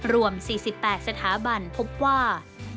รวม๔๘สถาบันพบว่า